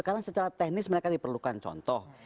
karena secara teknis mereka diperlukan contoh